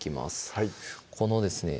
はいこのですね